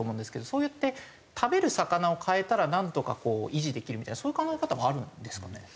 そうやって食べる魚を変えたらなんとか維持できるみたいなそういう考え方もあるんですかね？